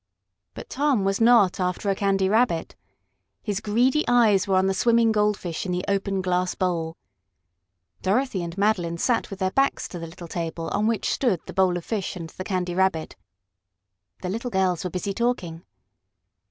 But Tom was not after a Candy Rabbit. His greedy eyes were on the swimming goldfish in the open glass bowl. Dorothy and Madeline sat with their backs to the little table on which stood the bowl of fish and the Candy Rabbit. The little girls were busy talking.